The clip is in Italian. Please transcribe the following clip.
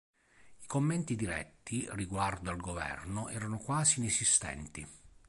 I commenti diretti riguardo al governo erano quasi inesistenti".